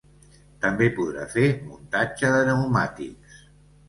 També podrà fer muntatge de pneumàtics.